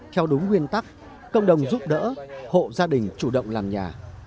theo đúng nguyên tắc cộng đồng giúp đỡ hộ gia đình chủ động làm nhà